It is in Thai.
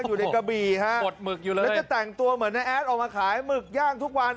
อยู่ในกะบี่ฮะอดหมึกอยู่เลยแล้วจะแต่งตัวเหมือนน้าแอดออกมาขายหมึกย่างทุกวัน